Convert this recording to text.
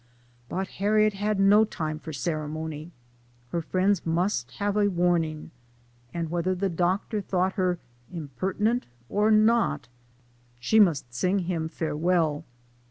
But Harriet had no time for ceremony; her friends must have a warning ; and whether the Doctor thought her " imperent " or not, she must sing him farewell.